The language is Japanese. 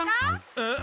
えっ。